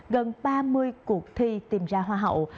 gần ba mươi cuộc thi tìm ra hoa hậu